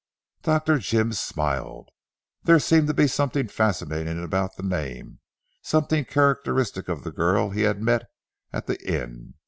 '" Dr. Jim smiled. There seemed to be something fascinating about the name, something characteristic of the girl he had met at the inn.